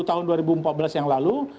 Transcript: tahun dua ribu empat belas yang lalu